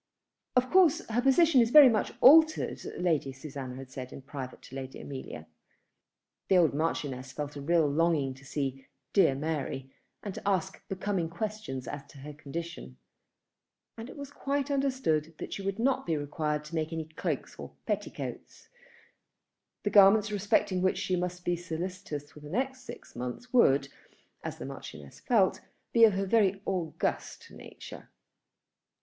"Of course her position is very much altered," Lady Susanna had said in private to Lady Amelia. The old Marchioness felt a real longing to see "dear Mary," and to ask becoming questions as to her condition. And it was quite understood that she was not to be required to make any cloaks or petticoats. The garments respecting which she must be solicitous for the next six months would, as the Marchioness felt, be of a very august nature.